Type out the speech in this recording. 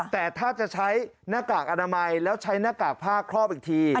แต่ถ้าจะใช้หน้ากากอนามัยแล้วใช้หน้ากากผ้าครอบอีกที